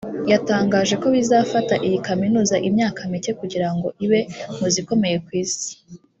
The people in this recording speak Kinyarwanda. yatangaje ko bizafata iyi kaminuza imyaka mike kugira ngo ibe mu zikomeye ku Isi